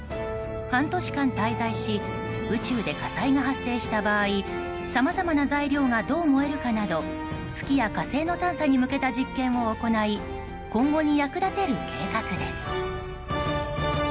半年間滞在し宇宙で火災が発生した場合さまざまな材料がどう燃えるかなど月や火星の探査に向けた実験を行い今後に役立てる計画です。